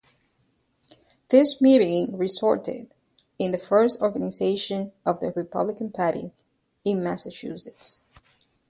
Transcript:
This meeting resulted in the first organization of the Republican Party in Massachusetts.